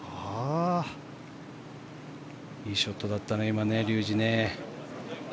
いいショットだったよね、竜二。